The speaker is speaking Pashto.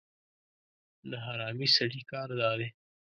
د حرامي سړي کار دا دی